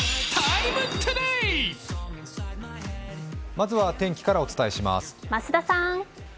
まずは天気からお伝えします。